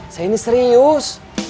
saya ini serius